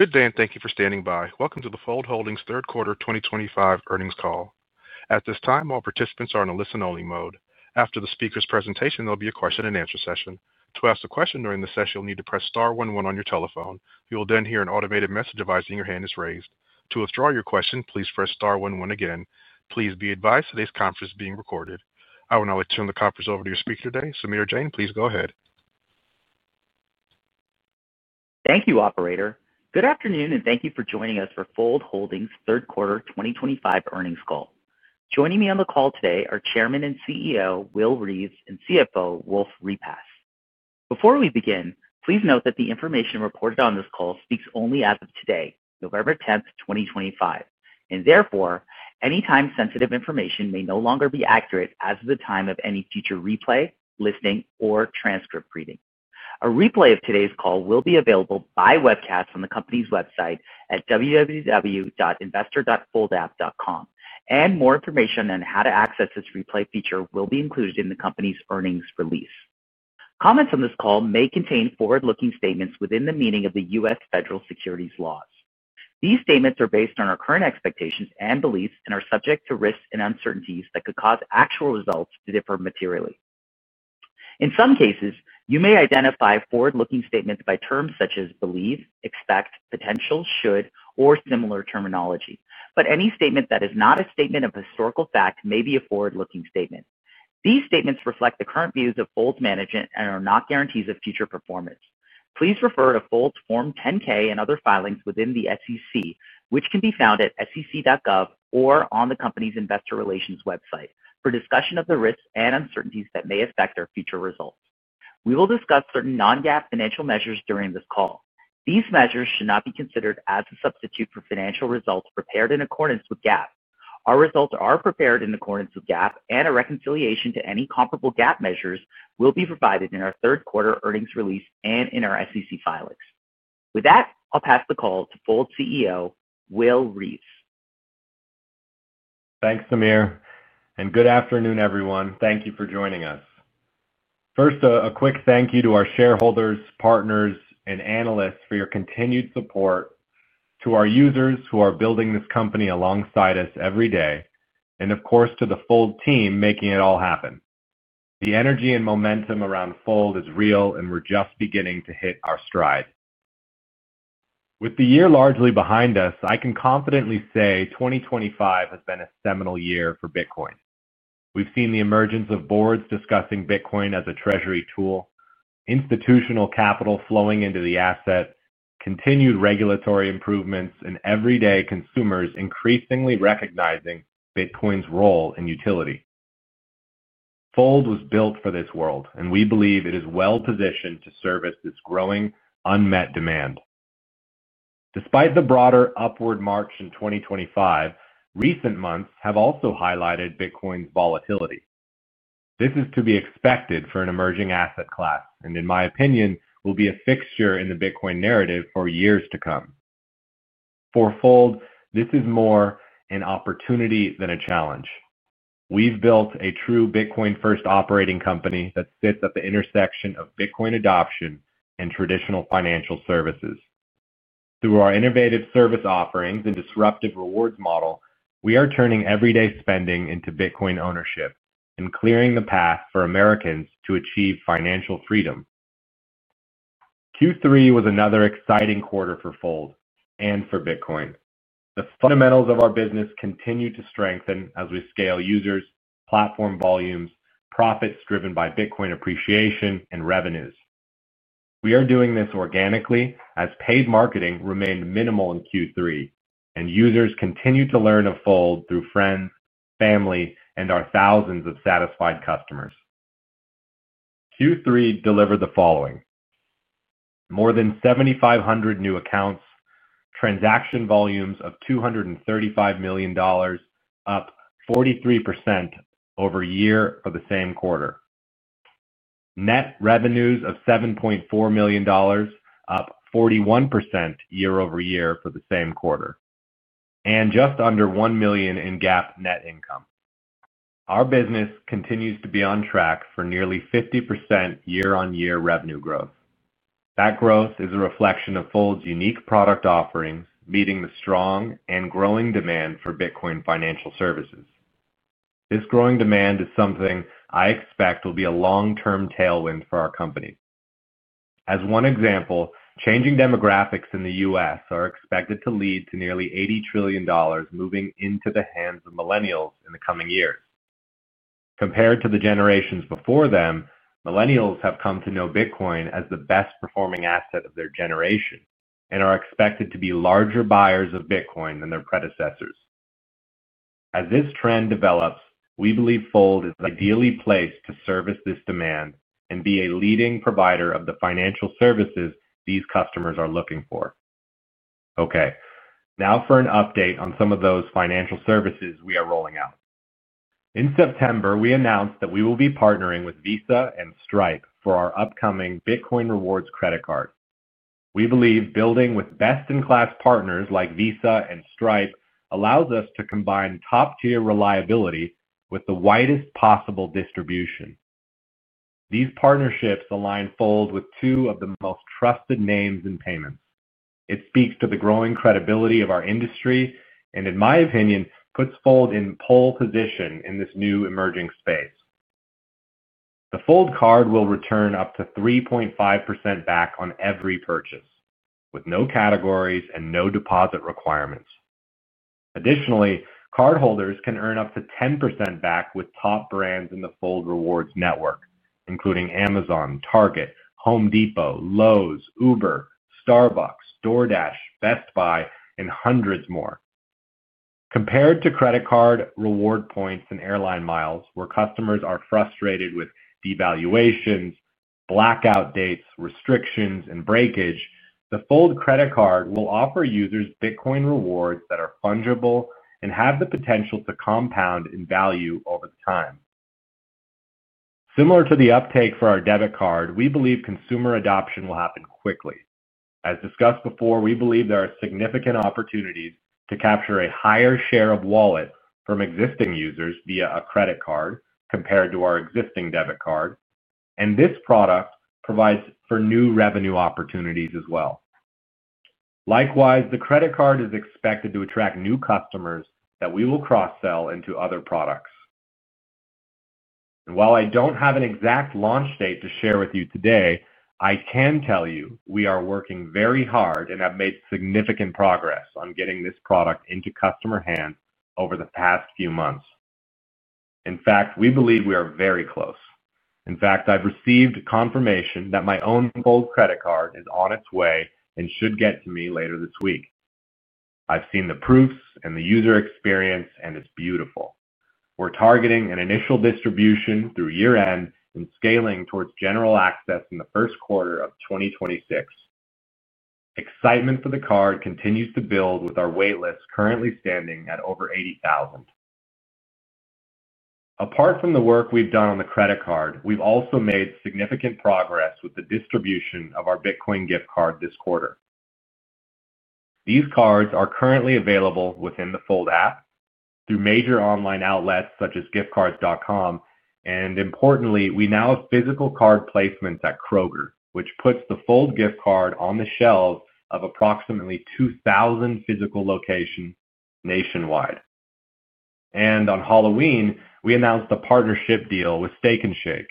Good day, and thank you for standing by. Welcome to the Fold Holdings third quarter 2025 earnings call. At this time, all participants are in a listen-only mode. After the speaker's presentation, there'll be a question-and-answer session. To ask a question during the session, you'll need to press star one-one on your telephone. You will then hear an automated message advising your hand is raised. To withdraw your question, please press star one-one again. Please be advised today's conference is being recorded. I will now turn the conference over to your speaker today, Samir Jain. Please go ahead. Thank you, Operator. Good afternoon, and thank you for joining us for Fold Holdings third quarter 2025 earnings call. Joining me on the call today are Chairman and CEO Will Reeves and CFO Wolfe Repass. Before we begin, please note that the information reported on this call speaks only as of today, November 10th, 2025, and therefore, any time-sensitive information may no longer be accurate as of the time of any future replay, listening, or transcript reading. A replay of today's call will be available by webcast on the company's website at www.investor.foldapp.com, and more information on how to access this replay feature will be included in the company's earnings release. Comments on this call may contain forward-looking statements within the meaning of the U.S. federal securities laws. These statements are based on our current expectations and beliefs and are subject to risks and uncertainties that could cause actual results to differ materially. In some cases, you may identify forward-looking statements by terms such as believe, expect, potential, should, or similar terminology, but any statement that is not a statement of historical fact may be a forward-looking statement. These statements reflect the current views of Fold's management and are not guarantees of future performance. Please refer to Fold's Form 10-K and other filings with the SEC, which can be found at sec.gov or on the company's investor relations website for discussion of the risks and uncertainties that may affect our future results. We will discuss certain non-GAAP financial measures during this call. These measures should not be considered as a substitute for financial results prepared in accordance with GAAP. Our results are prepared in accordance with GAAP, and a reconciliation to any comparable GAAP measures will be provided in our third quarter earnings release and in our SEC filings. With that, I'll pass the call to Fold CEO Will Reeves. Thanks, Samir, and good afternoon, everyone. Thank you for joining us. First, a quick thank you to our shareholders, partners, and analysts for your continued support, to our users who are building this company alongside us every day, and of course, to the Fold team making it all happen. The energy and momentum around Fold is real, and we're just beginning to hit our stride. With the year largely behind us, I can confidently say 2025 has been a seminal year for bitcoin. We've seen the emergence of boards discussing bitcoin as a treasury tool, institutional capital flowing into the asset, continued regulatory improvements, and everyday consumers increasingly recognizing bitcoin's role and utility. Fold was built for this world, and we believe it is well-positioned to service this growing unmet demand. Despite the broader upward march in 2025, recent months have also highlighted bitcoin's volatility. This is to be expected for an emerging asset class and, in my opinion, will be a fixture in the bitcoin narrative for years to come. For Fold, this is more an opportunity than a challenge. We've built a true bitcoin-first operating company that sits at the intersection of bitcoin adoption and traditional financial services. Through our innovative service offerings and disruptive rewards model, we are turning everyday spending into bitcoin ownership and clearing the path for Americans to achieve financial freedom. Q3 was another exciting quarter for Fold and for bitcoin. The fundamentals of our business continue to strengthen as we scale users, platform volumes, profits driven by bitcoin appreciation, and revenues. We are doing this organically as paid marketing remained minimal in Q3, and users continue to learn of Fold through friends, family, and our thousands of satisfied customers. Q3 delivered the following: more than 7,500 new accounts, transaction volumes of $235 million, up 43% over year for the same quarter, net revenues of $7.4 million, up 41% year over year for the same quarter, and just under $1 million in GAAP net income. Our business continues to be on track for nearly 50% year-on-year revenue growth. That growth is a reflection of Fold's unique product offerings meeting the strong and growing demand for bitcoin financial services. This growing demand is something I expect will be a long-term tailwind for our company. As one example, changing demographics in the U.S. are expected to lead to nearly $80 trillion moving into the hands of millennials in the coming years. Compared to the generations before them, millennials have come to know bitcoin as the best-performing asset of their generation and are expected to be larger buyers of bitcoin than their predecessors. As this trend develops, we believe Fold is ideally placed to service this demand and be a leading provider of the financial services these customers are looking for. Okay, now for an update on some of those financial services we are rolling out. In September, we announced that we will be partnering with Visa and Stripe for our upcoming Bitcoin Rewards Credit Card. We believe building with best-in-class partners like Visa and Stripe allows us to combine top-tier reliability with the widest possible distribution. These partnerships align Fold with two of the most trusted names in payments. It speaks to the growing credibility of our industry and, in my opinion, puts Fold in pole position in this new emerging space. The Fold card will return up to 3.5% back on every purchase, with no categories and no deposit requirements. Additionally, cardholders can earn up to 10% back with top brands in the Fold Rewards network, including Amazon, Target, Home Depot, Lowe's, Uber, Starbucks, DoorDash, Best Buy, and hundreds more. Compared to credit card reward points and airline miles, where customers are frustrated with devaluations, blackout dates, restrictions, and breakage, the Fold credit card will offer users bitcoin rewards that are fungible and have the potential to compound in value over time. Similar to the uptake for our debit card, we believe consumer adoption will happen quickly. As discussed before, we believe there are significant opportunities to capture a higher share of wallet from existing users via a credit card compared to our existing debit card, and this product provides for new revenue opportunities as well. Likewise, the credit card is expected to attract new customers that we will cross-sell into other products. While I do not have an exact launch date to share with you today, I can tell you we are working very hard and have made significant progress on getting this product into customer hands over the past few months. In fact, we believe we are very close. I have received confirmation that my own Fold Credit Card is on its way and should get to me later this week. I have seen the proofs and the user experience, and it is beautiful. We are targeting an initial distribution through year-end and scaling towards general access in the first quarter of 2026. Excitement for the card continues to build with our waitlist currently standing at over 80,000. Apart from the work we have done on the credit card, we have also made significant progress with the distribution of our Bitcoin Gift Card this quarter. These cards are currently available within the Fold app through major online outlets such as giftcards.com, and importantly, we now have physical card placements at Kroger, which puts the Fold gift card on the shelves of approximately 2,000 physical locations nationwide. On Halloween, we announced a partnership deal with Steak 'n Shake,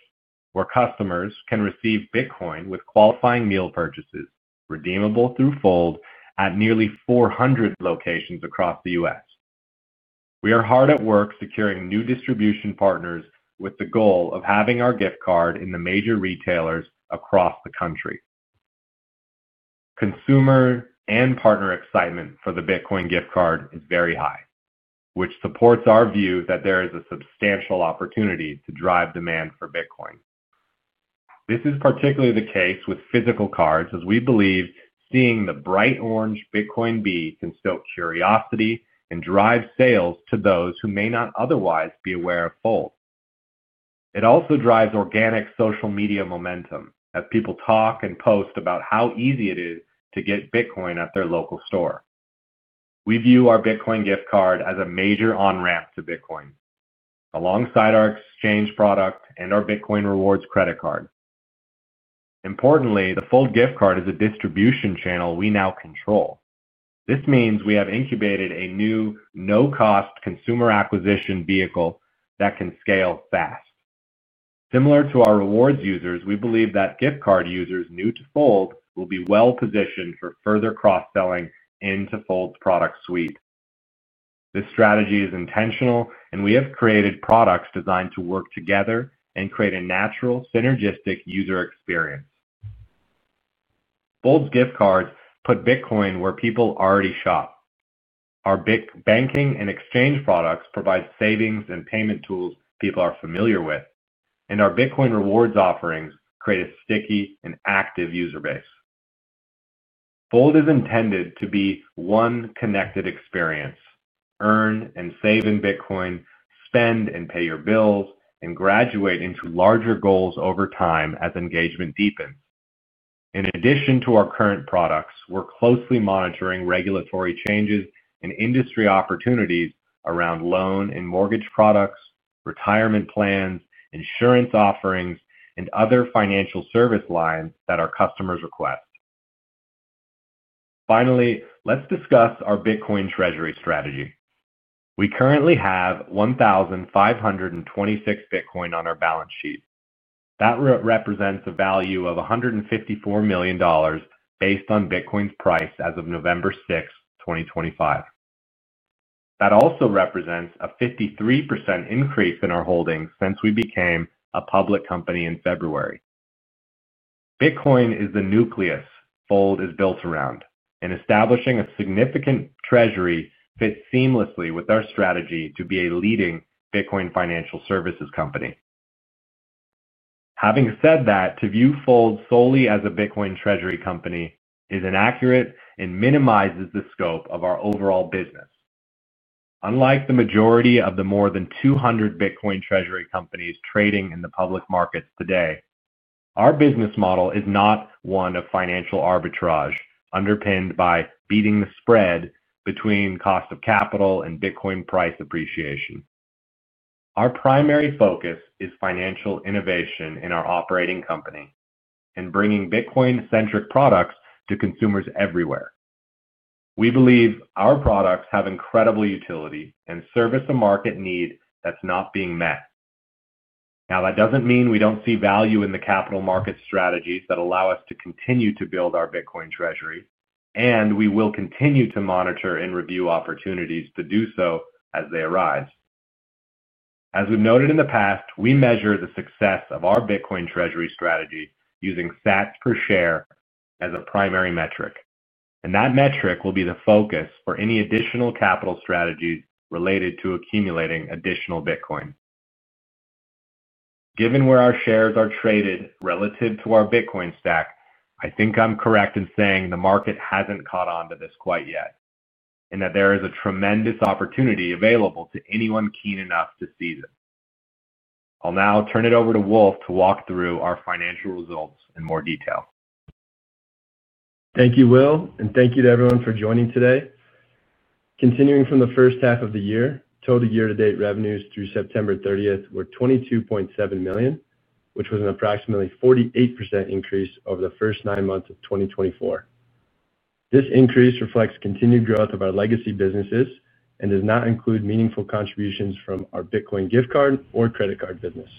where customers can receive bitcoin with qualifying meal purchases, redeemable through Fold, at nearly 400 locations across the U.S. We are hard at work securing new distribution partners with the goal of having our gift card in the major retailers across the country. Consumer and partner excitement for the Bitcoin Gift Card is very high, which supports our view that there is a substantial opportunity to drive demand for bitcoin. This is particularly the case with physical cards, as we believe seeing the bright orange bitcoin bee can stoke curiosity and drive sales to those who may not otherwise be aware of Fold. It also drives organic social media momentum as people talk and post about how easy it is to get bitcoin at their local store. We view our Bitcoin Gift Card as a major on-ramp to bitcoin, alongside our exchange product and our Bitcoin Rewards Credit Card. Importantly, the Fold gift card is a distribution channel we now control. This means we have incubated a new no-cost consumer acquisition vehicle that can scale fast. Similar to our rewards users, we believe that gift card users new to Fold will be well-positioned for further cross-selling into Fold's product suite. This strategy is intentional, and we have created products designed to work together and create a natural, synergistic user experience. Fold's gift cards put bitcoin where people already shop. Our banking and exchange products provide savings and payment tools people are familiar with, and our bitcoin rewards offerings create a sticky and active user base. Fold is intended to be one connected experience: earn and save in bitcoin, spend and pay your bills, and graduate into larger goals over time as engagement deepens. In addition to our current products, we're closely monitoring regulatory changes and industry opportunities around loan and mortgage products, retirement plans, insurance offerings, and other financial service lines that our customers request. Finally, let's discuss our bitcoin treasury strategy. We currently have 1,526 Bitcoin on our balance sheet. That represents a value of $154 million based on bitcoin's price as of November 6, 2025. That also represents a 53% increase in our holdings since we became a public company in February. Bitcoin is the nucleus Fold is built around, and establishing a significant treasury fits seamlessly with our strategy to be a leading bitcoin financial services company. Having said that, to view Fold solely as a bitcoin treasury company is inaccurate and minimizes the scope of our overall business. Unlike the majority of the more than 200 Bitcoin treasury companies trading in the public markets today, our business model is not one of financial arbitrage, underpinned by beating the spread between cost of capital and bitcoin price appreciation. Our primary focus is financial innovation in our operating company and bringing bitcoin-centric products to consumers everywhere. We believe our products have incredible utility and service a market need that's not being met. Now, that doesn't mean we don't see value in the capital market strategies that allow us to continue to build our bitcoin treasury, and we will continue to monitor and review opportunities to do so as they arise. As we've noted in the past, we measure the success of our bitcoin treasury strategy using SATS per share as a primary metric, and that metric will be the focus for any additional capital strategies related to accumulating additional bitcoin. Given where our shares are traded relative to our bitcoin stack, I think I'm correct in saying the market hasn't caught on to this quite yet and that there is a tremendous opportunity available to anyone keen enough to seize it. I'll now turn it over to Wolfe to walk through our financial results in more detail. Thank you, Will, and thank you to everyone for joining today. Continuing from the first half of the year, total year-to-date revenues through September 30th were $22.7 million, which was an approximately 48% increase over the first nine months of 2024. This increase reflects continued growth of our legacy businesses and does not include meaningful contributions from our bitcoin gift card or credit card business.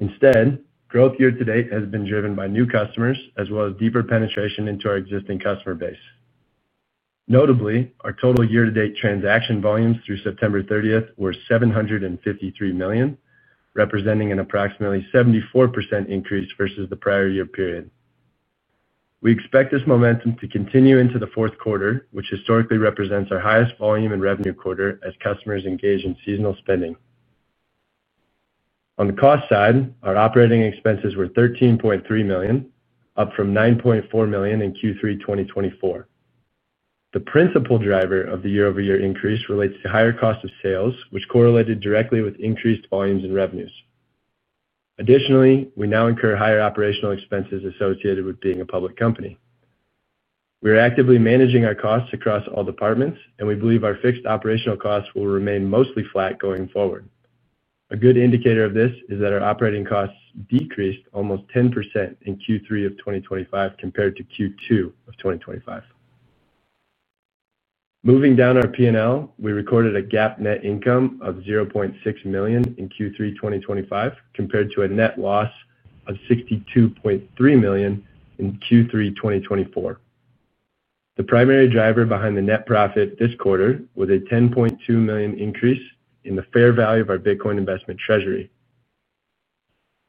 Instead, growth year-to-date has been driven by new customers as well as deeper penetration into our existing customer base. Notably, our total year-to-date transaction volumes through September 30th were $753 million, representing an approximately 74% increase versus the prior year period. We expect this momentum to continue into the fourth quarter, which historically represents our highest volume and revenue quarter as customers engage in seasonal spending. On the cost side, our operating expenses were $13.3 million, up from $9.4 million in Q3 2024. The principal driver of the year-over-year increase relates to higher cost of sales, which correlated directly with increased volumes and revenues. Additionally, we now incur higher operational expenses associated with being a public company. We are actively managing our costs across all departments, and we believe our fixed operational costs will remain mostly flat going forward. A good indicator of this is that our operating costs decreased almost 10% in Q3 2025 compared to Q2 2025. Moving down our P&L, we recorded a GAAP net income of $0.6 million in Q3 2025 compared to a net loss of $62.3 million in Q3 2024. The primary driver behind the net profit this quarter was a $10.2 million increase in the fair value of our bitcoin investment treasury.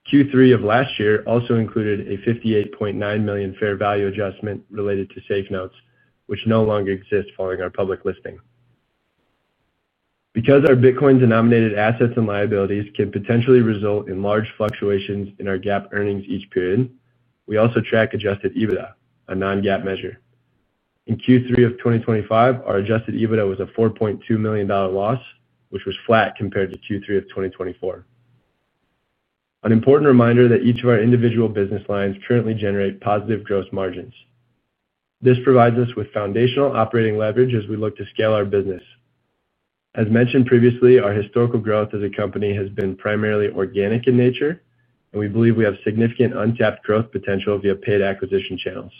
Q3 of last year also included a $58.9 million fair value adjustment related to safe notes, which no longer exists following our public listing. Because our bitcoin-denominated assets and liabilities can potentially result in large fluctuations in our GAAP earnings each period, we also track adjusted EBITDA, a non-GAAP measure. In Q3 of 2025, our adjusted EBITDA was a $4.2 million loss, which was flat compared to Q3 of 2024. An important reminder that each of our individual business lines currently generates positive gross margins. This provides us with foundational operating leverage as we look to scale our business. As mentioned previously, our historical growth as a company has been primarily organic in nature, and we believe we have significant untapped growth potential via paid acquisition channels.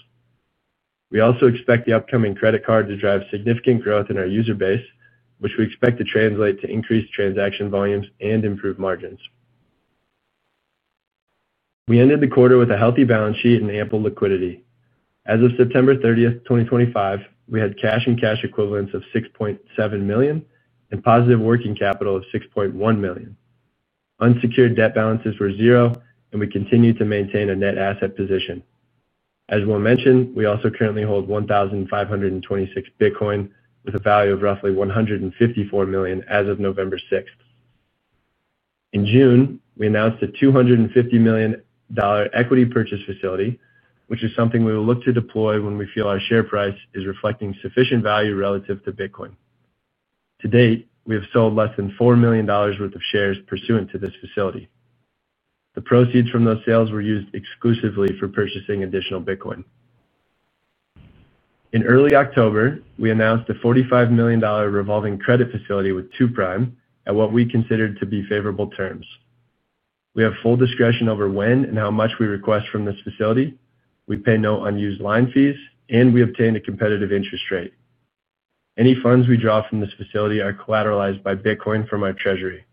We also expect the upcoming credit card to drive significant growth in our user base, which we expect to translate to increased transaction volumes and improved margins. We ended the quarter with a healthy balance sheet and ample liquidity. As of September 30th, 2025, we had cash and cash equivalents of $6.7 million and positive working capital of $6.1 million. Unsecured debt balances were zero, and we continue to maintain a net asset position. As Will mentioned, we also currently hold 1,526 bitcoin with a value of roughly $154 million as of November 6. In June, we announced a $250 million equity purchase facility, which is something we will look to deploy when we feel our share price is reflecting sufficient value relative to bitcoin. To date, we have sold less than $4 million worth of shares pursuant to this facility. The proceeds from those sales were used exclusively for purchasing additional bitcoin. In early October, we announced a $45 million revolving credit facility with Two Prime at what we considered to be favorable terms. We have full discretion over when and how much we request from this facility. We pay no unused line fees, and we obtain a competitive interest rate. Any funds we draw from this facility are collateralized by bitcoin from our treasury.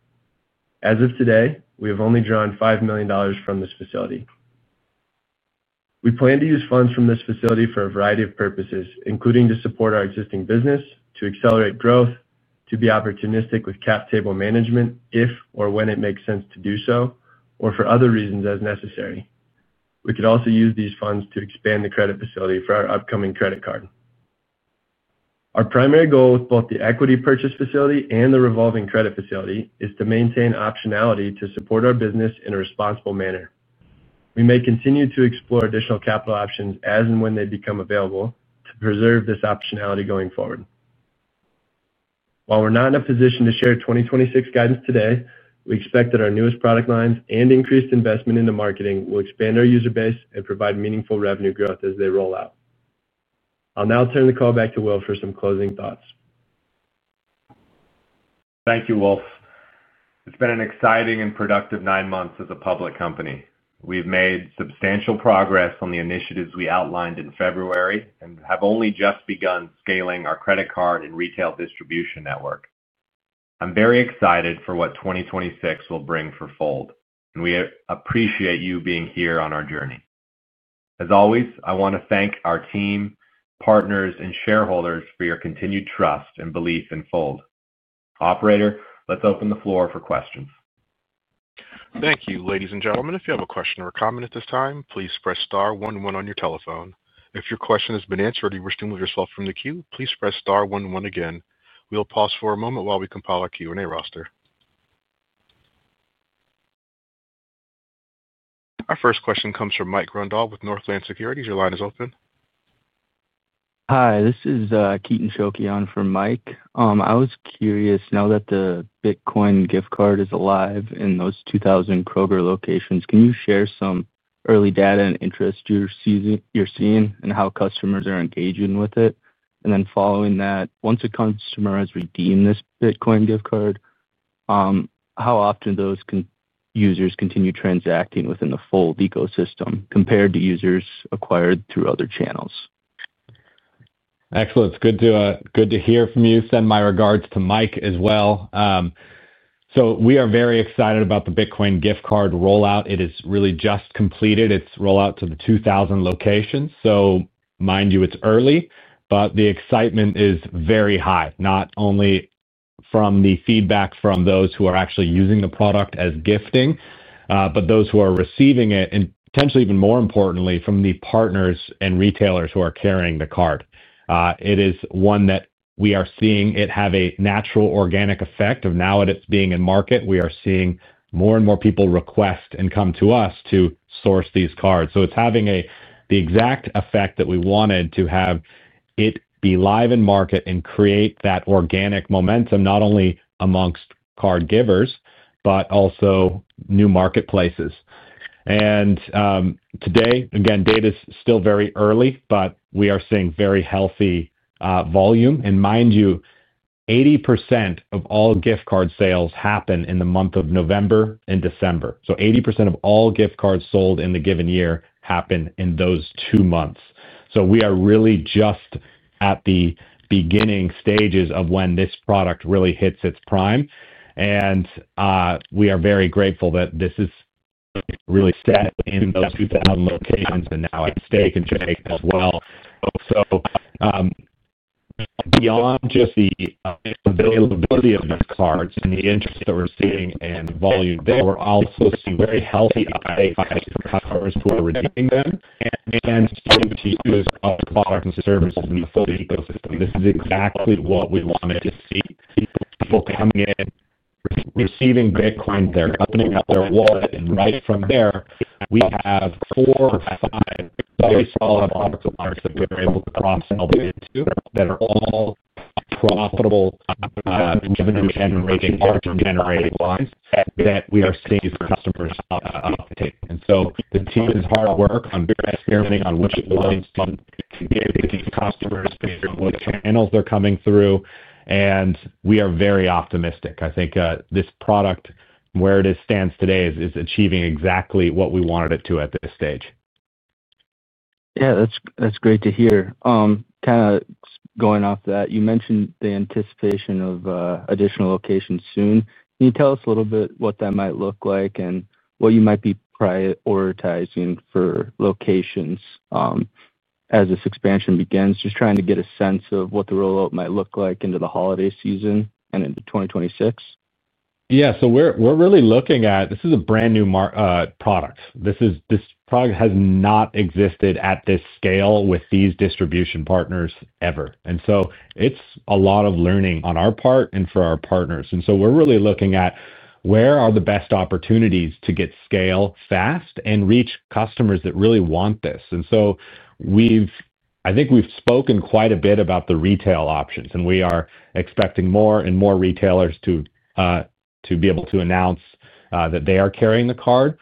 As of today, we have only drawn $5 million from this facility. We plan to use funds from this facility for a variety of purposes, including to support our existing business, to accelerate growth, to be opportunistic with cap table management if or when it makes sense to do so, or for other reasons as necessary. We could also use these funds to expand the credit facility for our upcoming credit card. Our primary goal with both the equity purchase facility and the revolving credit facility is to maintain optionality to support our business in a responsible manner. We may continue to explore additional capital options as and when they become available to preserve this optionality going forward. While we're not in a position to share 2026 guidance today, we expect that our newest product lines and increased investment into marketing will expand our user base and provide meaningful revenue growth as they roll out. I'll now turn the call back to Will for some closing thoughts. Thank you, Wolfe. It's been an exciting and productive nine months as a public company. We've made substantial progress on the initiatives we outlined in February and have only just begun scaling our credit card and retail distribution network. I'm very excited for what 2026 will bring for Fold, and we appreciate you being here on our journey. As always, I want to thank our team, partners, and shareholders for your continued trust and belief in Fold. Operator, let's open the floor for questions. Thank you, ladies and gentlemen. If you have a question or a comment at this time, please press star 11 on your telephone. If your question has been answered or you wish to move yourself from the queue, please press star 11 again. We'll pause for a moment while we compile our Q&A roster. Our first question comes from Mike Grundahl with Northland Securities. Your line is open. Hi, this is Keaton Schuelke from Mike. I was curious, now that the Bitcoin Gift Card is live in those 2,000 Kroger locations, can you share some early data and interest you're seeing and how customers are engaging with it? Following that, once a customer has redeemed this Bitcoin Gift Card, how often do those users continue transacting within the Fold ecosystem compared to users acquired through other channels? Excellent. It's good to hear from you. Send my regards to Mike as well. We are very excited about the bitcoin gift card rollout. It has really just completed its rollout to the 2,000 locations. Mind you, it's early, but the excitement is very high, not only from the feedback from those who are actually using the product as gifting, but those who are receiving it, and potentially even more importantly, from the partners and retailers who are carrying the card. It is one that we are seeing it have a natural organic effect of now that it's being in market. We are seeing more and more people request and come to us to source these cards. It is having the exact effect that we wanted to have it be live in market and create that organic momentum not only amongst card givers, but also new marketplaces. Today, again, data is still very early, but we are seeing very healthy volume. Mind you, 80% of all gift card sales happen in the month of November and December. 80% of all gift cards sold in the given year happen in those two months. We are really just at the beginning stages of when this product really hits its prime. We are very grateful that this is really set in those 2,000 locations and now at Steak 'n Shake as well. Beyond just the availability of these cards and the interest that we're seeing and volume, we're also seeing very healthy customers who are redeeming them and getting to use our products and services in the Fold ecosystem. This is exactly what we wanted to see. People coming in, receiving bitcoin, they're opening up their wallet. Right from there, we have four or five very solid products that we're able to cross-sell into that are all profitable revenue-generating, margin-generating lines that we are seeing customers uptake. The team is hard at work on experimenting on which lines can get these customers based on what channels they're coming through. We are very optimistic. I think this product, where it stands today, is achieving exactly what we wanted it to at this stage. Yeah, that's great to hear. Kind of going off that, you mentioned the anticipation of additional locations soon. Can you tell us a little bit what that might look like and what you might be prioritizing for locations as this expansion begins, just trying to get a sense of what the rollout might look like into the holiday season and into 2026? Yeah, we are really looking at this as a brand new product. This product has not existed at this scale with these distribution partners ever. It is a lot of learning on our part and for our partners. We are really looking at where are the best opportunities to get scale fast and reach customers that really want this. I think we've spoken quite a bit about the retail options, and we are expecting more and more retailers to be able to announce that they are carrying the card.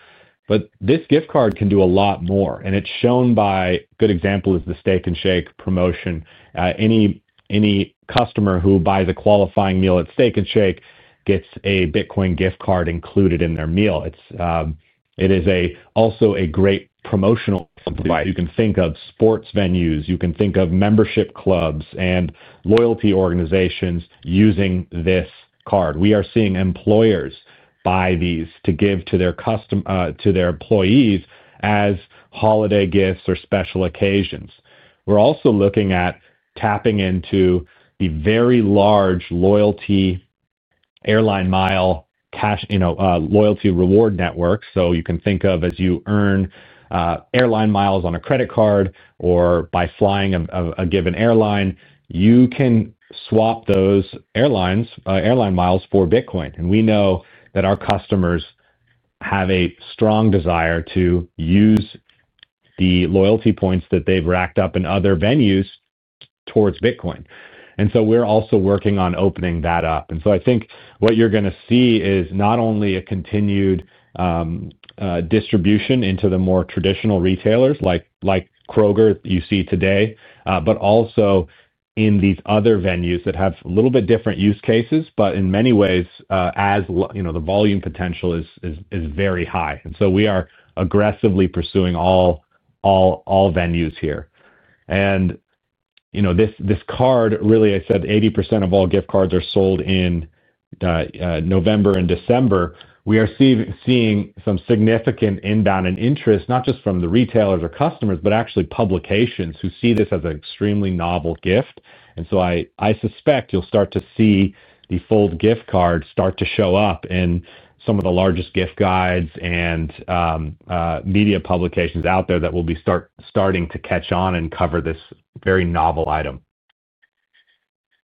This gift card can do a lot more. It is shown by a good example, which is the Steak 'n Shake promotion. Any customer who buys a qualifying meal at Steak 'n Shake gets a Bitcoin Gift Card included in their meal. It is also a great promotional company. You can think of sports venues. You can think of membership clubs and loyalty organizations using this card. We are seeing employers buy these to give to their employees as holiday gifts or special occasions. We are also looking at tapping into the very large loyalty airline mile cash loyalty reward networks. You can think of as you earn airline miles on a credit card or by flying a given airline, you can swap those airline miles for bitcoin. We know that our customers have a strong desire to use the loyalty points that they've racked up in other venues towards bitcoin. We are also working on opening that up. I think what you're going to see is not only a continued distribution into the more traditional retailers like Kroger you see today, but also in these other venues that have a little bit different use cases, but in many ways, the volume potential is very high. We are aggressively pursuing all venues here. This card, really, I said 80% of all gift cards are sold in November and December. We are seeing some significant inbound interest, not just from the retailers or customers, but actually publications who see this as an extremely novel gift. I suspect you'll start to see the Fold gift card start to show up in some of the largest gift guides and media publications out there that will be starting to catch on and cover this very novel item.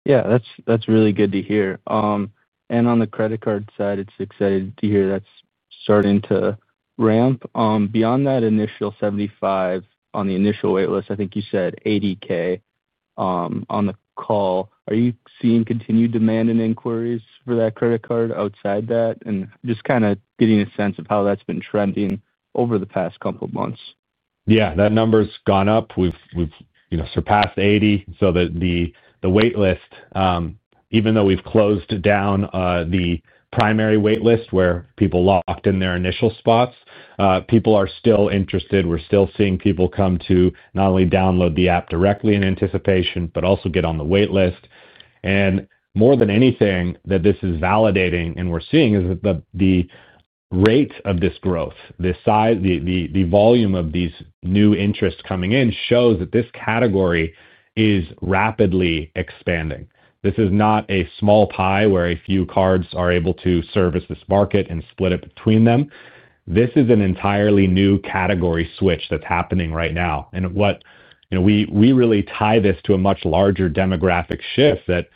Yeah, that's really good to hear. On the credit card side, it's exciting to hear that's starting to ramp. Beyond that initial 75,000 on the initial waitlist, I think you said 80,000 on the call. Are you seeing continued demand and inquiries for that credit card outside that? Just kind of getting a sense of how that's been trending over the past couple of months. Yeah, that number's gone up. We've surpassed 80,000. The waitlist, even though we've closed down the primary waitlist where people locked in their initial spots, people are still interested. We're still seeing people come to not only download the app directly in anticipation, but also get on the waitlist. More than anything that this is validating and we're seeing is that the rate of this growth, the volume of these new interests coming in shows that this category is rapidly expanding. This is not a small pie where a few cards are able to service this market and split it between them. This is an entirely new category switch that's happening right now. We really tie this to a much larger demographic shift that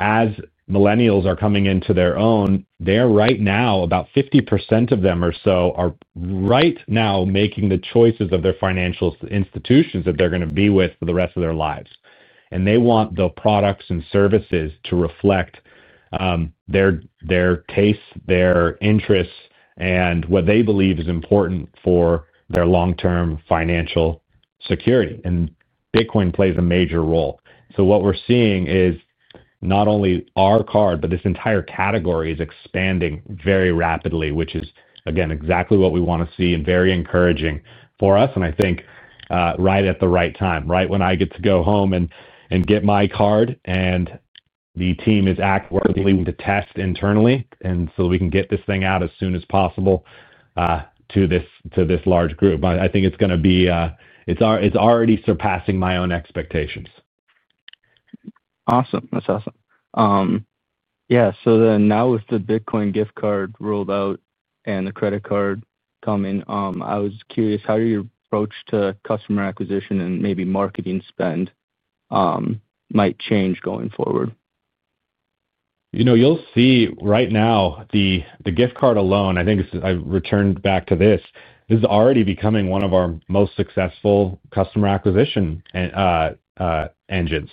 as millennials are coming into their own, they're right now about 50% of them or so are right now making the choices of their financial institutions that they're going to be with for the rest of their lives. They want the products and services to reflect their taste, their interests, and what they believe is important for their long-term financial security. bitcoin plays a major role. What we're seeing is not only our card, but this entire category is expanding very rapidly, which is, again, exactly what we want to see and very encouraging for us. I think right at the right time, right when I get to go home and get my card and the team is actively leading to test internally and so we can get this thing out as soon as possible to this large group. I think it's going to be it's already surpassing my own expectations. Awesome. That's awesome. Yeah. Now with the Bitcoin Gift Card rolled out and the credit card coming, I was curious how your approach to customer acquisition and maybe marketing spend might change going forward. You'll see right now the gift card alone, I think I've returned back to this, is already becoming one of our most successful customer acquisition engines.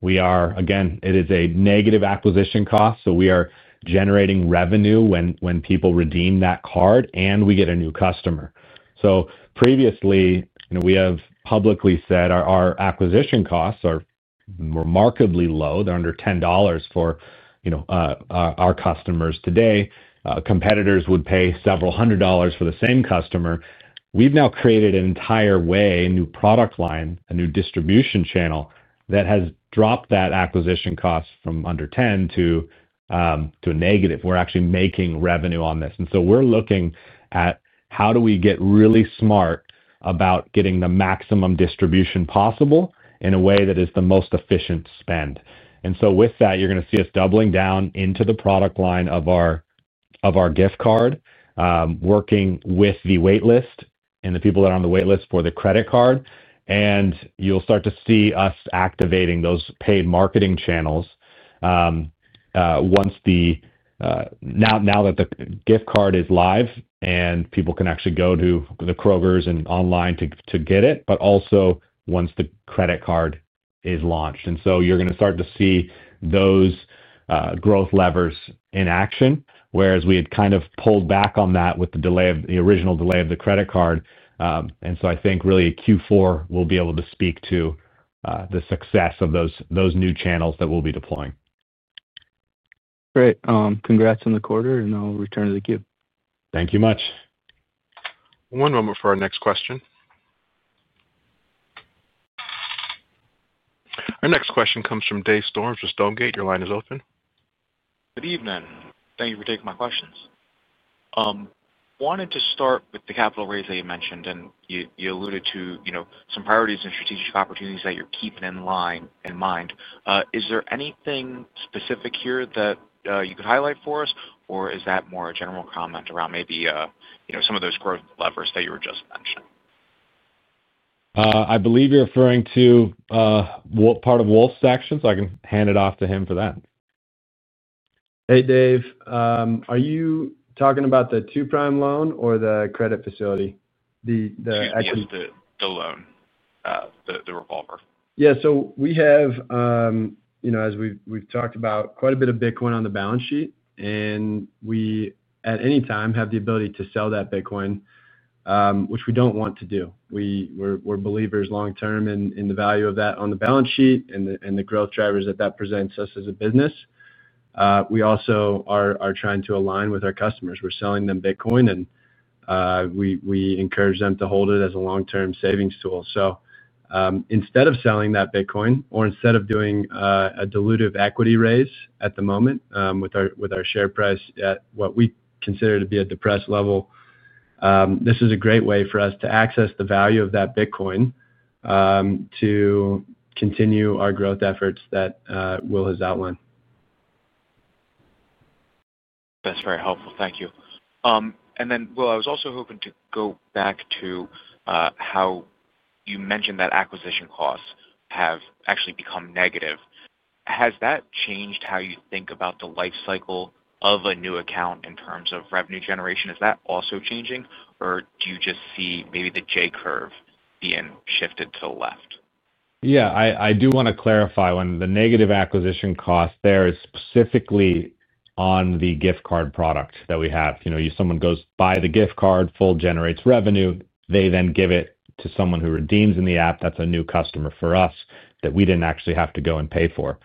We are, again, it is a negative acquisition cost. We are generating revenue when people redeem that card and we get a new customer. Previously, we have publicly said our acquisition costs are remarkably low. They're under $10 for our customers today. Competitors would pay several hundred dollars for the same customer. We've now created an entire way, a new product line, a new distribution channel that has dropped that acquisition cost from under $10 to a negative. We're actually making revenue on this. We are looking at how do we get really smart about getting the maximum distribution possible in a way that is the most efficient spend. With that, you're going to see us doubling down into the product line of our gift card, working with the waitlist and the people that are on the waitlist for the credit card. You'll start to see us activating those paid marketing channels now that the gift card is live and people can actually go to the Kroger locations and online to get it, but also once the credit card is launched. You're going to start to see those growth levers in action, whereas we had kind of pulled back on that with the original delay of the credit card. I think really Q4 we'll be able to speak to the success of those new channels that we'll be deploying. Great. Congrats on the quarter, and I'll return to the queue. Thank you much. One moment for our next question. Our next question comes from Dave Storms with Stonegate. Your line is open. Good evening. Thank you for taking my questions. Wanted to start with the capital raise that you mentioned, and you alluded to some priorities and strategic opportunities that you're keeping in mind. Is there anything specific here that you could highlight for us, or is that more a general comment around maybe some of those growth levers that you were just mentioning? I believe you're referring to part of Wolfe's action, so I can hand it off to him for that. Hey, Dave. Are you talking about the Two Prime loan or the credit facility? The loan. Yeah, just the loan, the revolver. Yeah. So we have, as we've talked about, quite a bit of bitcoin on the balance sheet, and we at any time have the ability to sell that bitcoin, which we don't want to do. We're believers long-term in the value of that on the balance sheet and the growth drivers that that presents us as a business. We also are trying to align with our customers. We're selling them bitcoin, and we encourage them to hold it as a long-term savings tool. Instead of selling that bitcoin or instead of doing a dilutive equity raise at the moment with our share price at what we consider to be a depressed level, this is a great way for us to access the value of that bitcoin to continue our growth efforts that Will has outlined. That's very helpful. Thank you. Will, I was also hoping to go back to how you mentioned that acquisition costs have actually become negative. Has that changed how you think about the lifecycle of a new account in terms of revenue generation? Is that also changing, or do you just see maybe the J curve being shifted to the left? Yeah, I do want to clarify when the negative acquisition cost there is specifically on the gift card product that we have. Someone goes, buys the gift card, Fold generates revenue. They then give it to someone who redeems in the app. That's a new customer for us that we didn't actually have to go and pay for.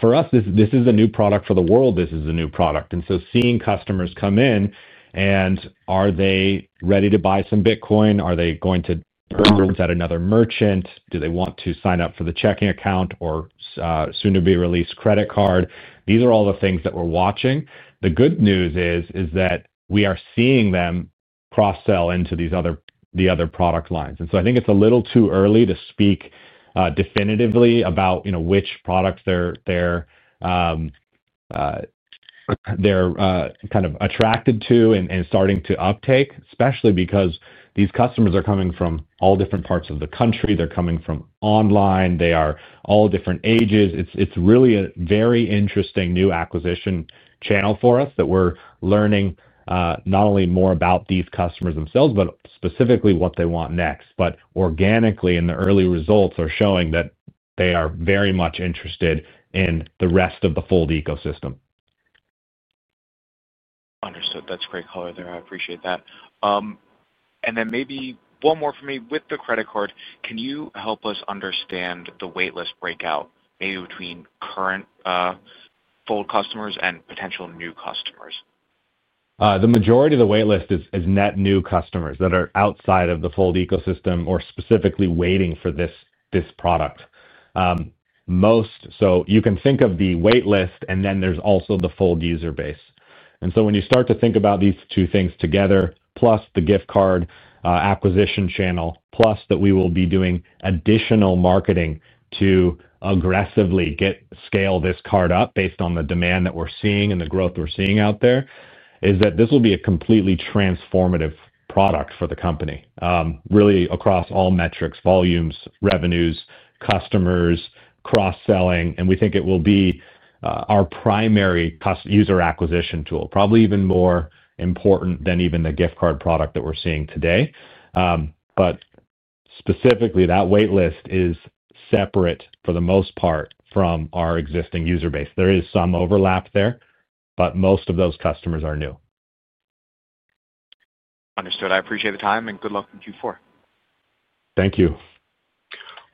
For us, this is a new product for the world. This is a new product. Seeing customers come in, and are they ready to buy some bitcoin? Are they going to purchase at another merchant? Do they want to sign up for the checking account or soon-to-be-released credit card? These are all the things that we're watching. The good news is that we are seeing them cross-sell into the other product lines. I think it's a little too early to speak definitively about which products they're kind of attracted to and starting to uptake, especially because these customers are coming from all different parts of the country. They're coming from online. They are all different ages. It's really a very interesting new acquisition channel for us that we're learning not only more about these customers themselves, but specifically what they want next. Organically, the early results are showing that they are very much interested in the rest of the Fold ecosystem. Understood. That's great color there. I appreciate that. Maybe one more for me with the credit card. Can you help us understand the waitlist breakout maybe between current Fold customers and potential new customers? The majority of the waitlist is net new customers that are outside of the Fold ecosystem or specifically waiting for this product. You can think of the waitlist, and then there is also the Fold user base. When you start to think about these two things together, plus the gift card acquisition channel, plus that we will be doing additional marketing to aggressively scale this card up based on the demand that we are seeing and the growth we are seeing out there, this will be a completely transformative product for the company, really across all metrics: volumes, revenues, customers, cross-selling. We think it will be our primary user acquisition tool, probably even more important than even the gift card product that we are seeing today. Specifically, that waitlist is separate for the most part from our existing user base. There is some overlap there, but most of those customers are new. Understood. I appreciate the time, and good luck in Q4. Thank you.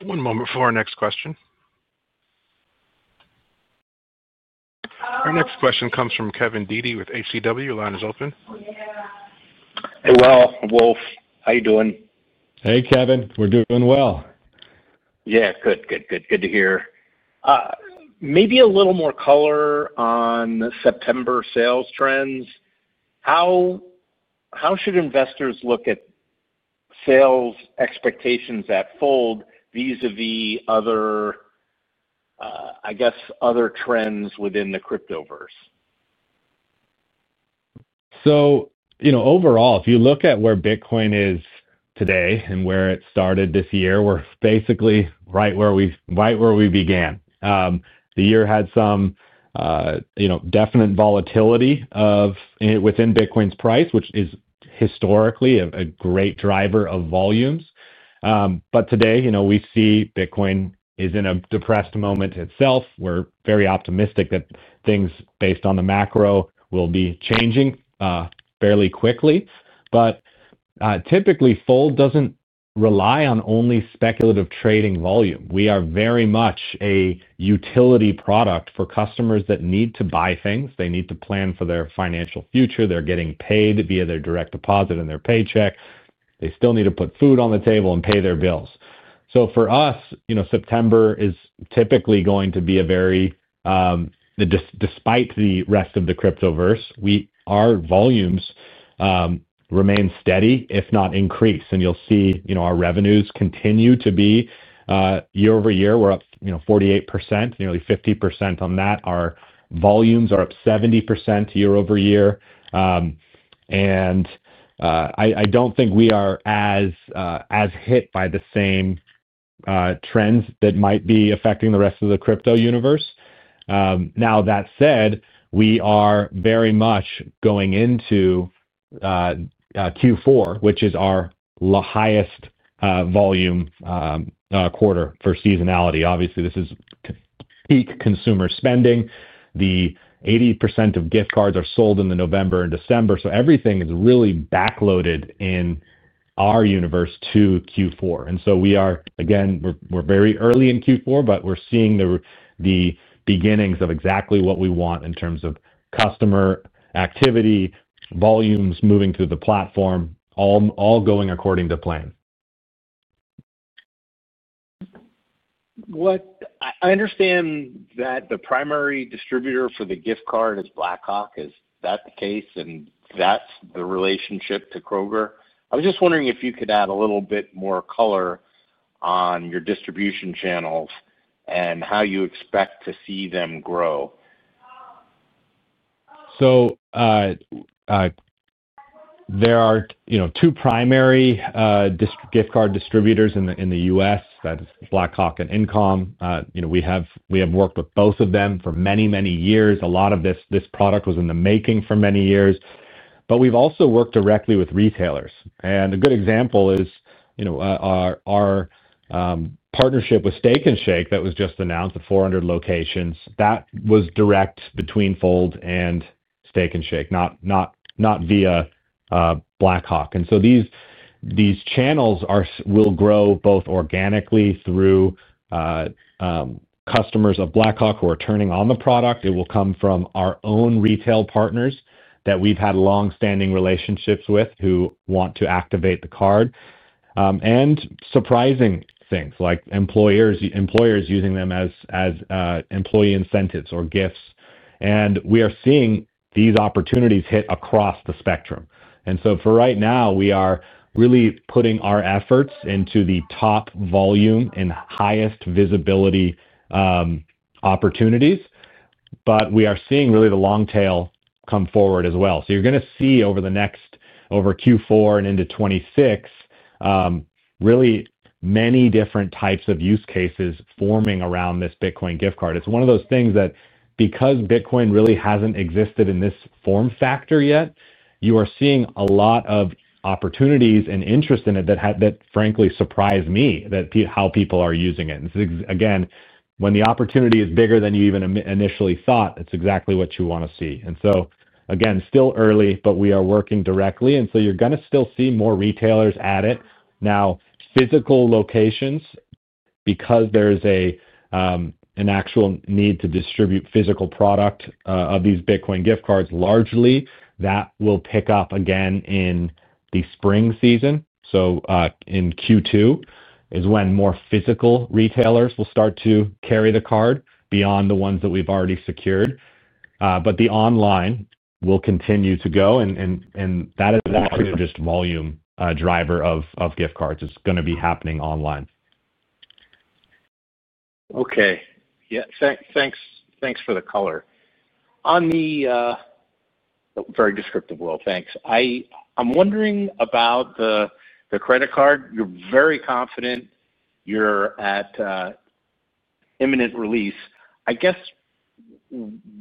One moment for our next question. Our next question comes from Kevin Dede with HCW. Your line is open. Hey, Will. Wolfe. How you doing? Hey, Kevin. We're doing well. Yeah. Good, good, good. Good to hear. Maybe a little more color on September sales trends. How should investors look at sales expectations at Fold vis-à-vis other, I guess, other trends within the crypto verse? Overall, if you look at where bitcoin is today and where it started this year, we're basically right where we began. The year had some definite volatility within bitcoin's price, which is historically a great driver of volumes. Today, we see bitcoin is in a depressed moment itself. We're very optimistic that things based on the macro will be changing fairly quickly. Typically, Fold doesn't rely on only speculative trading volume. We are very much a utility product for customers that need to buy things. They need to plan for their financial future. They're getting paid via their direct deposit and their paycheck. They still need to put food on the table and pay their bills. For us, September is typically going to be a very, despite the rest of the crypto verse, our volumes remain steady, if not increase. You'll see our revenues continue to be year over year. We're up 48%, nearly 50% on that. Our volumes are up 70% year-over-year. I don't think we are as hit by the same trends that might be affecting the rest of the crypto universe. Now, that said, we are very much going into Q4, which is our highest volume quarter for seasonality. Obviously, this is peak consumer spending. The 80% of gift cards are sold in November and December. Everything is really backloaded in our universe to Q4. We are, again, we're very early in Q4, but we're seeing the beginnings of exactly what we want in terms of customer activity, volumes moving through the platform, all going according to plan. I understand that the primary distributor for the gift card is Blackhawk. Is that the case? That's the relationship to Kroger? I was just wondering if you could add a little bit more color on your distribution channels and how you expect to see them grow? There are two primary gift card distributors in the U.S. That is Blackhawk and InComm. We have worked with both of them for many, many years. A lot of this product was in the making for many years. We have also worked directly with retailers. A good example is our partnership with Steak 'n Shake that was just announced, the 400 locations. That was direct between Fold and Steak 'n Shake, not via Blackhawk. These channels will grow both organically through customers of Blackhawk who are turning on the product. It will come from our own retail partners that we have had long-standing relationships with who want to activate the card. Surprising things like employers using them as employee incentives or gifts are also happening. We are seeing these opportunities hit across the spectrum. For right now, we are really putting our efforts into the top volume and highest visibility opportunities. We are seeing really the long tail come forward as well. You're going to see over the next over Q4 and into 2026, really many different types of use cases forming around this Bitcoin Gift Card. It's one of those things that because bitcoin really hasn't existed in this form factor yet, you are seeing a lot of opportunities and interest in it that, frankly, surprise me that how people are using it. Again, when the opportunity is bigger than you even initially thought, it's exactly what you want to see. Again, still early, but we are working directly. You're going to still see more retailers add it. Now, physical locations, because there is an actual need to distribute physical product of these bitcoin gift cards largely, that will pick up again in the spring season. In Q2 is when more physical retailers will start to carry the card beyond the ones that we've already secured. The online will continue to go. That is actually just a volume driver of gift cards. It's going to be happening online. Okay. Yeah. Thanks for the color. On the very descriptive level, thanks. I'm wondering about the credit card. You're very confident. You're at imminent release. I guess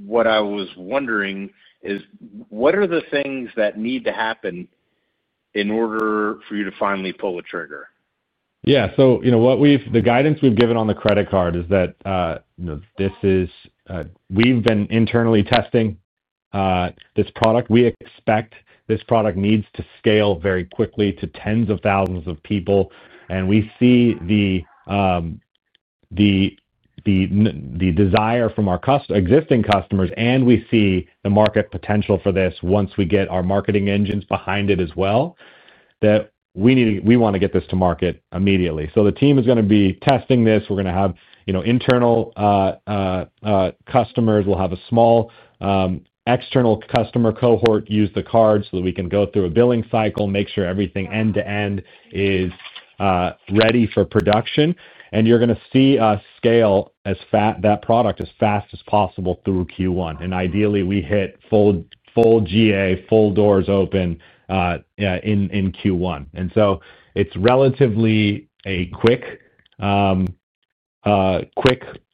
what I was wondering is, what are the things that need to happen in order for you to finally pull the trigger? Yeah. The guidance we've given on the credit card is that this is, we've been internally testing this product. We expect this product needs to scale very quickly to tens of thousands of people. We see the desire from our existing customers, and we see the market potential for this once we get our marketing engines behind it as well, that we want to get this to market immediately. The team is going to be testing this. We're going to have internal customers. We'll have a small external customer cohort use the card so that we can go through a billing cycle, make sure everything end-to-end is ready for production. You're going to see us scale that product as fast as possible through Q1. Ideally, we hit Fold GA, Fold doors open in Q1. It is relatively a quick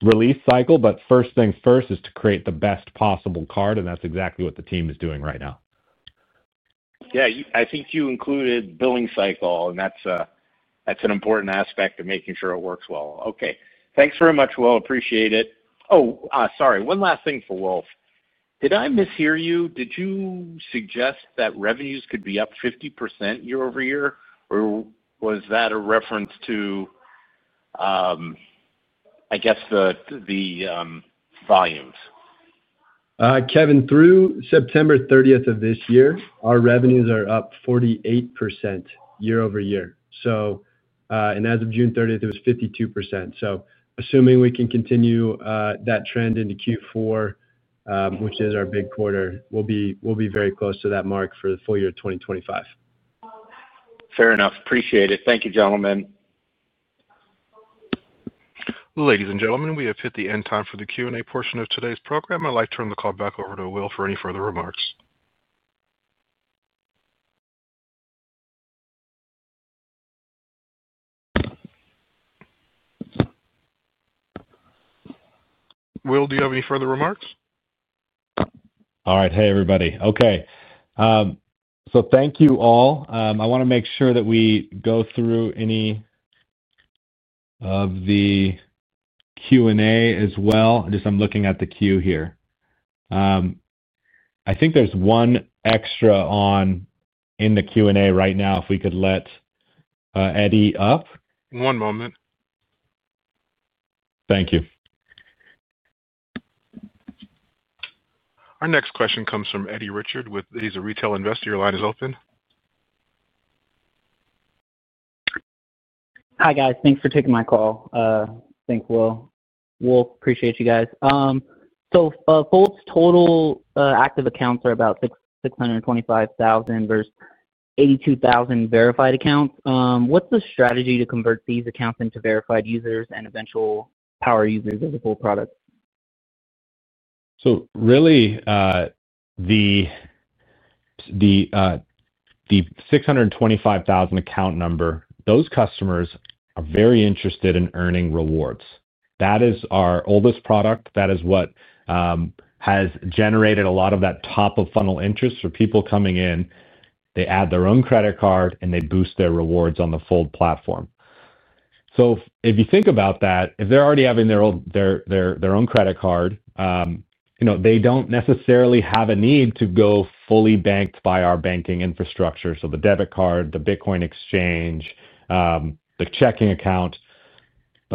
release cycle. First things first is to create the best possible card. That's exactly what the team is doing right now. Yeah. I think you included billing cycle, and that's an important aspect of making sure it works well. Okay. Thanks very much, Will. Appreciate it. Oh, sorry. One last thing for Wolfe. Did I mishear you? Did you suggest that revenues could be up 50% year-over-year, or was that a reference to, I guess, the volumes? Kevin, through September 30th of this year, our revenues are up 48% year-over-year. And as of June 30, it was 52%. So assuming we can continue that trend into Q4, which is our big quarter, we'll be very close to that mark for the full year of 2025. Fair enough. Appreciate it. Thank you, gentlemen. Ladies and gentlemen, we have hit the end time for the Q&A portion of today's program. I'd like to turn the call back over to Will for any further remarks. Will, do you have any further remarks? All right. Hey, everybody. Okay. Thank you all. I want to make sure that we go through any of the Q&A as well. Just I'm looking at the queue here. I think there's one extra in the Q&A right now if we could let Eddie up. One moment. Thank you. Our next question comes from Eddie Richard. He's a retail investor. Your line is open. Hi, guys. Thanks for taking my call. Thanks, Will. Wolfe, appreciate you guys. Fold's total active accounts are about 625,000 versus 82,000 verified accounts. What's the strategy to convert these accounts into verified users and eventual power users of the full product? Really, the 625,000 account number, those customers are very interested in earning rewards. That is our oldest product. That is what has generated a lot of that top-of-funnel interest. People coming in, they add their own credit card, and they boost their rewards on the Fold platform. If you think about that, if they're already having their own credit card, they don't necessarily have a need to go fully banked by our banking infrastructure. The debit card, the bitcoin exchange, the checking account.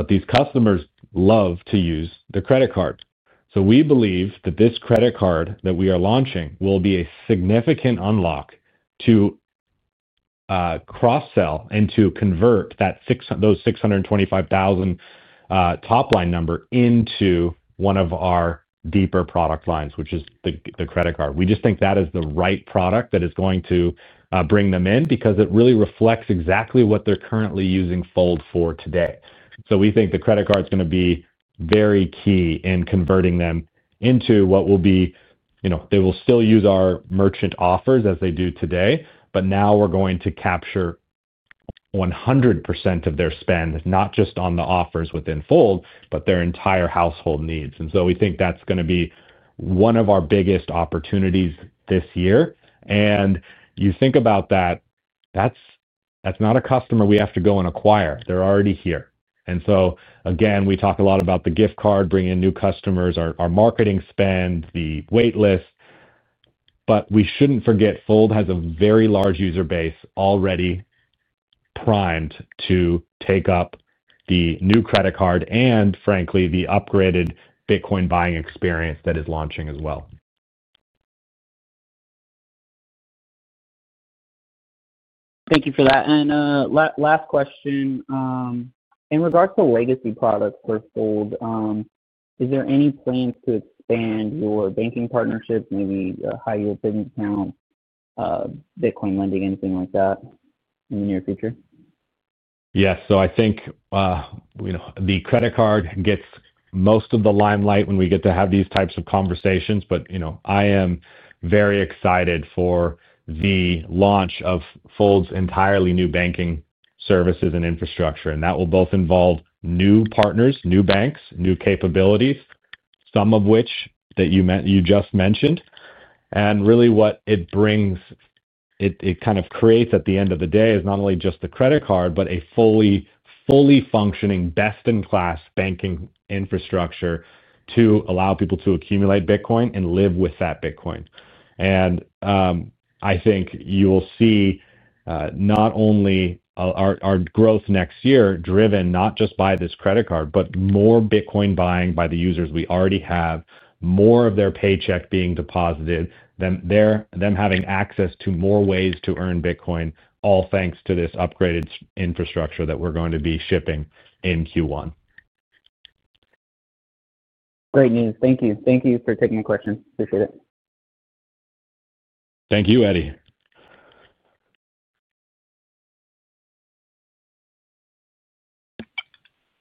These customers love to use the credit card. We believe that this credit card that we are launching will be a significant unlock to cross-sell and to convert those 625,000 top-line number into one of our deeper product lines, which is the credit card. We just think that is the right product that is going to bring them in because it really reflects exactly what they're currently using Fold for today. We think the credit card is going to be very key in converting them into what will be they will still use our merchant offers as they do today, but now we're going to capture 100% of their spend, not just on the offers within Fold, but their entire household needs. We think that's going to be one of our biggest opportunities this year. You think about that, that's not a customer we have to go and acquire. They're already here. Again, we talk a lot about the gift card, bringing in new customers, our marketing spend, the waitlist. We shouldn't forget Fold has a very large user base already primed to take up the new credit card and, frankly, the upgraded bitcoin buying experience that is launching as well. Thank you for that. Last question. In regards to legacy products for Fold, is there any plans to expand your banking partnership, maybe high-yield savings account, bitcoin lending, anything like that in the near future? Yes. I think the credit card gets most of the limelight when we get to have these types of conversations. I am very excited for the launch of Fold's entirely new banking services and infrastructure. That will both involve new partners, new banks, new capabilities, some of which that you just mentioned. Really, what it brings, it kind of creates at the end of the day is not only just the credit card, but a fully functioning, best-in-class banking infrastructure to allow people to accumulate bitcoin and live with that bitcoin. I think you will see not only our growth next year driven not just by this credit card, but more bitcoin buying by the users we already have, more of their paycheck being deposited, them having access to more ways to earn bitcoin, all thanks to this upgraded infrastructure that we're going to be shipping in Q1. Great news. Thank you. Thank you for taking my questions. Appreciate it. Thank you, Eddie.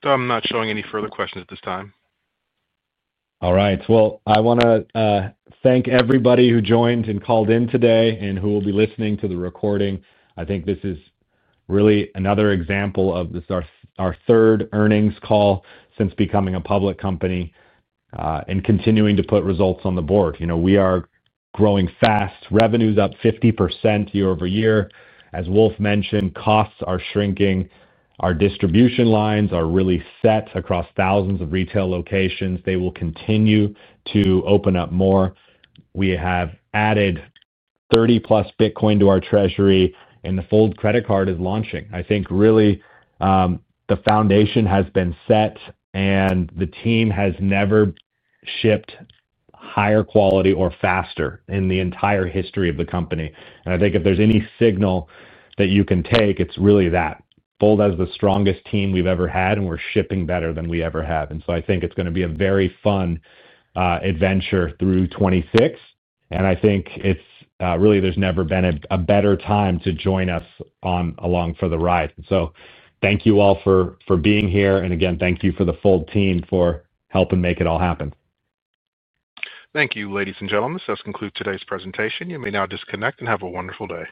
I am not showing any further questions at this time. I want to thank everybody who joined and called in today and who will be listening to the recording. I think this is really another example of our third earnings call since becoming a public company and continuing to put results on the board. We are growing fast. Revenues up 50% year over year. As Wolfe mentioned, costs are shrinking. Our distribution lines are really set across thousands of retail locations. They will continue to open up more. We have added 30-plus bitcoin to our treasury, and the Fold credit card is launching. I think really the foundation has been set, and the team has never shipped higher quality or faster in the entire history of the company. I think if there's any signal that you can take, it's really that. Fold has the strongest team we've ever had, and we're shipping better than we ever have. I think it's going to be a very fun adventure through 2026. I think really there's never been a better time to join us along for the ride. Thank you all for being here. Again, thank you for the Fold team for helping make it all happen. Thank you, ladies and gentlemen. This does conclude today's presentation. You may now disconnect and have a wonderful day.